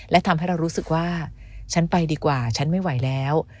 และทำให้เรารู้สึกว่าฉันไปดีกว่าฉันไม่ไหวแล้ว